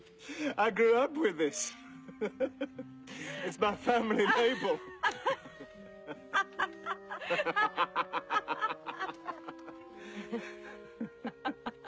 アハハハハハハ。